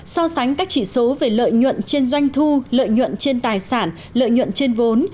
so sánh các chỉ số về lợi nhuận trên doanh thu lợi nhuận trên tài sản lợi nhuận trên vốn